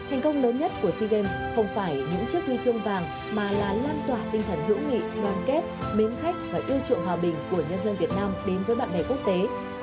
thành công lớn nhất của sea games không phải những chiếc huy chương vàng mà là lan tỏa tinh thần hữu nghị đoàn kết mến khách và yêu chuộng hòa bình của nhân dân việt nam đến với bạn bè quốc tế